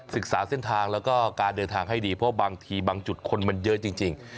ศึกษาเส้นทางแล้วก็การเดินทางให้ดีเพราะบางทีบางจุดคนมันเยอะจริง